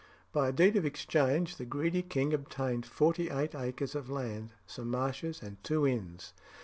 By a deed of exchange the greedy king obtained forty eight acres of land, some marshes, and two inns.